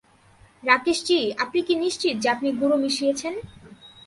রাকেশজি, আপনি কি নিশ্চিত যে আপনি গুঁড়ো মিশিয়েছেন?